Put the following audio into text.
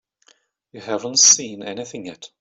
You haven't seen anything yet.